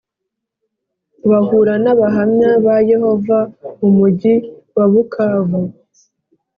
Bahura n Abahamya ba Yehova mu mugi wa Bukavu